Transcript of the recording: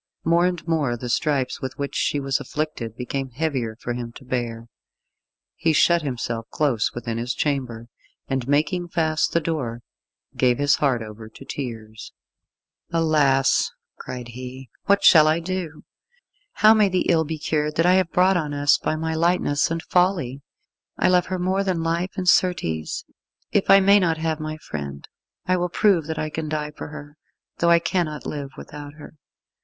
More and more the stripes with which she was afflicted became heavier for him to bear. He shut himself close within his chamber, and making fast the door, gave his heart over to tears. "Alas," cried he, "what shall I do! How may the ill be cured that I have brought on us by my lightness and folly! I love her more than life, and, certes, if I may not have my friend I will prove that I can die for her, though I cannot live without her."